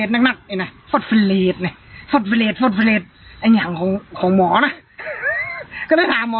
นักนักไอน่ะน่ะน่ะอันอย่างของของหมอน่ะก็ได้ถามหมอ